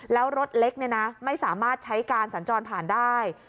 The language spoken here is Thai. แล้วรถเล็กไม่สามารถใช้การสัญจรผ่านได้